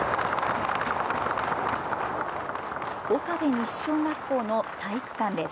岡部西小学校の体育館です。